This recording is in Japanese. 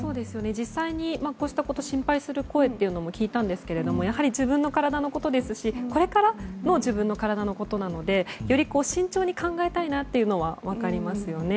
実際にこうしたことを心配する声も聞いたんですけれどもやはり、自分の体のことですしこれからの自分の体のことなのでより慎重に考えたいなというのは分かりますよね。